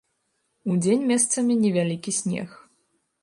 Удзень месцамі невялікі снег.